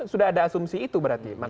sudah ada asumsi itu berarti